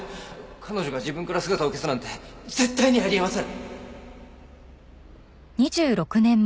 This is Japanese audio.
彼女が自分から姿を消すなんて絶対にあり得ません！